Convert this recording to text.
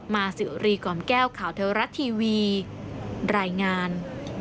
มาสิวรีกล่อมแก้วข่าวเทวรัฐทีวีรายงาน